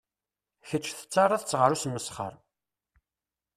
Kečč tettaraḍ-tt ɣer usmesxer.